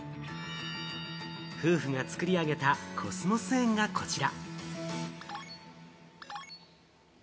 夫婦が作り上げたコスモス園がこちら。